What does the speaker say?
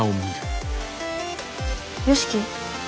良樹？